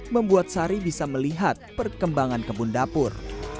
membuat sari bisa melihat perkembangan kebun dapur